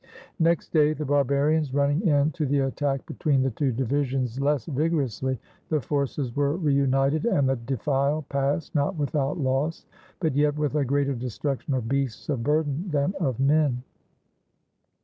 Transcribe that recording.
Next day, the barbarians running in to the attack between [the two divisions] less vigorously, the forces were reunited, and the defile passed, not without loss, but yet with a greater destruction of beasts of burden than of men.